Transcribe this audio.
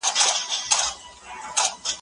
په کلي کې ماشومان د ماښام په وخت کې کورونو ته ځي.